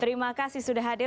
terima kasih sudah hadir